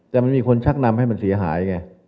แต่มันมีคนชักนำให้มันเสียหายไง